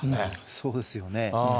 そうですよね。